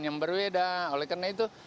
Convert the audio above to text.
yang berbeda oleh karena itu